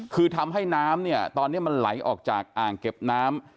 คือทำให้น้ำเนี่ยตอนนี้มันไหลออกจากอ่างเก็บน้ำ